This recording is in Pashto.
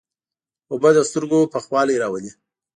اوبه د سترګو یخوالی راولي.